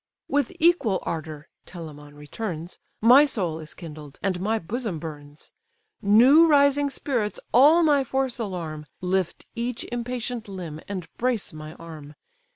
"With equal ardour (Telamon returns) My soul is kindled, and my bosom burns; New rising spirits all my force alarm, Lift each impatient limb, and brace my arm.